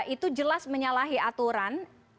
itu jelas menyalahi aturan